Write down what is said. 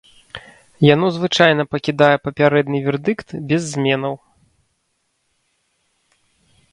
Яно звычайна пакідае папярэдні вердыкт без зменаў.